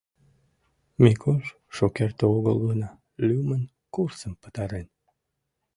Микуш шукерте огыл гына лӱмын курсым пытарен.